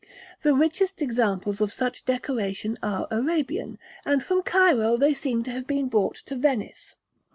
The richest examples of such decoration are Arabian; and from Cairo they seem to have been brought to Venice.